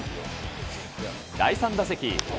第３打席。